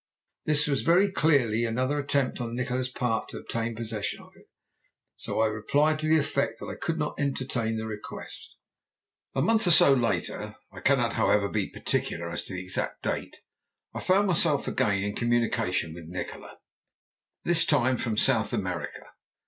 This was very clearly another attempt on Nikola's part to obtain possession of it, so I replied to the effect that I could not entertain the request. "A month or so later I cannot, however, be particular as to the exact date I found myself again in communication with Nikola, this time from South America.